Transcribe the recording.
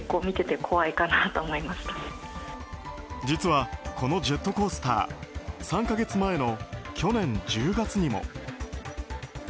実は、このジェットコースター３か月前の去年１０月にも。